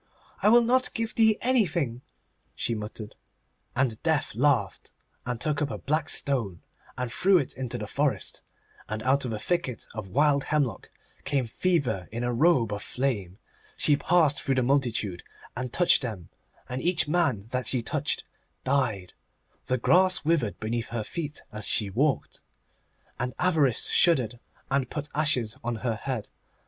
'I will not give thee anything,' she muttered. And Death laughed, and took up a black stone, and threw it into the forest, and out of a thicket of wild hemlock came Fever in a robe of flame. She passed through the multitude, and touched them, and each man that she touched died. The grass withered beneath her feet as she walked. And Avarice shuddered, and put ashes on her head.